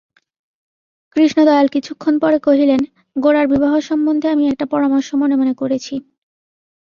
কৃষ্ণদয়াল কিছুক্ষণ পরে কহিলেন, গোরার বিবাহ সম্বন্ধে আমি একটা পরামর্শ মনে মনে করেছি।